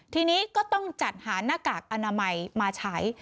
ทีนี้ก็ต้องจัดหาหน้ากากอนามัยมาใช้